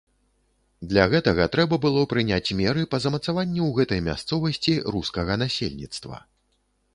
Для гэтага трэба было прыняць меры па замацаванню ў гэтай мясцовасці рускага насельніцтва.